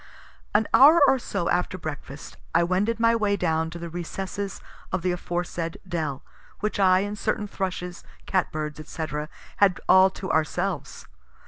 An hour or so after breakfast I wended my way down to the recesses of the aforesaid dell, which I and certain thrushes, cat birds, &c., had all to ourselves.